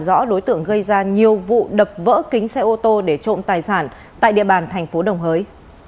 rõ đối tượng gây ra nhiều vụ đập vỡ kính xe ô tô để trộm tài sản tại địa bàn thành phố đồng hới